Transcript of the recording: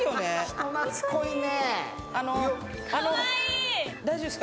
人懐こいね。